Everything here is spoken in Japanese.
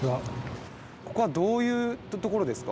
ここはどういうところですか？